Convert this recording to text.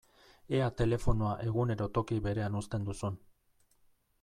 Ea telefonoa egunero toki berean uzten duzun!